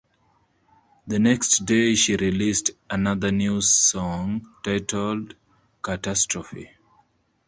The next day she released another new song titled "Catastrophe".